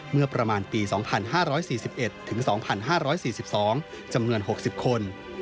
เมื่อประมาณปีสองพันห้าร้อยสี่สิบเอ็ดถึงสองพันห้าร้อยสี่สิบสองจำนวนหกสิบคน